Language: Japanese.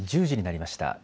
１０時になりました。